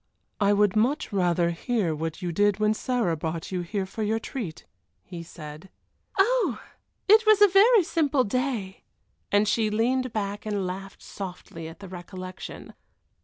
"I would much rather hear what you did when Sarah brought you here for your treat," he said. "Oh! it was a very simple day," and she leaned back and laughed softly at the recollection.